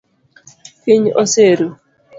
Piny oseru.